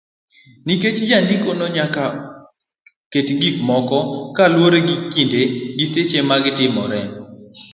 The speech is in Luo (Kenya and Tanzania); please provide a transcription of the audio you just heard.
nikech jandikono nyaka ket gik moko kaluwore gi kinde gi seche ma ne gitimoree.